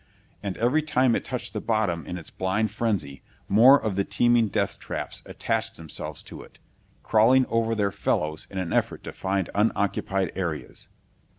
And every time it touched the bottom in its blind frenzy, more of the teeming deathtraps attached themselves to it, crawling over their fellows in an effort to find unoccupied areas.